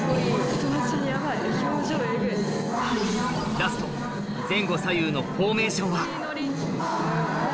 ラスト前後左右のフォーメーションは